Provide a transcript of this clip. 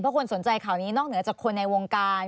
เพราะคนสนใจข่าวนี้นอกเหนือจากคนในวงการ